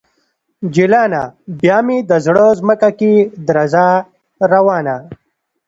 جلانه ! بیا مې د زړه ځمکه کې درزا روانه